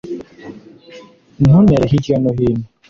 ntuntere hirya no hino